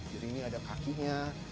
jadi ini ada kakinya